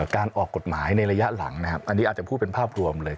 การออกกฎหมายในระยะหลังนะครับอันนี้อาจจะพูดเป็นภาพรวมเลย